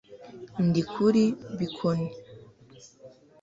ndi kuri bkoni